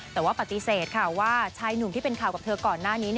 แต่ว่าปฏิเสธค่ะว่าชายหนุ่มที่เป็นข่าวกับเธอก่อนหน้านี้